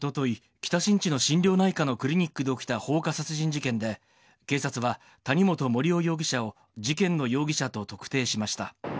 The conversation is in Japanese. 北新地の心療内科のクリニックで起きた放火殺人事件で警察は谷本盛雄容疑者を事件の容疑者と特定しました。